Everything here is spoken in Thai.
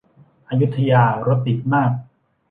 อยุธยารถติดมาก